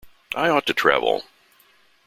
I ought to travel.